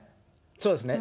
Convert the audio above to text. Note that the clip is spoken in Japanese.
そうですね。